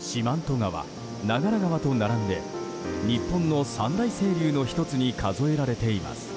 四万十川、長良川と並んで日本の三大清流の１つに数えられています。